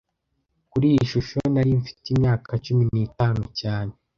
Kuri iyi shusho, nari mfite imyaka cumi n'itanu cyane